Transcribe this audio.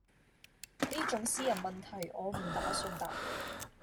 呢種私人問題我唔打算答你